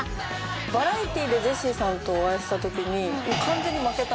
バラエティーでジェシーさんとお会いした時に。